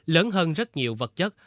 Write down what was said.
lớn hơn rất nhiều vật chất